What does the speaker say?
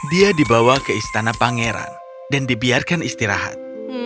dia dibawa ke istana pangeran dan dibiarkan istirahat